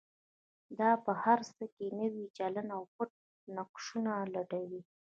دا په هر څه کې نوی چلند او پټ نقشونه لټوي.